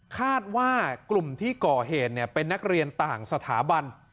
คาดว่ากลุ่มที่ก่อเหตุเป็นนักเรียนต่างสถาบัน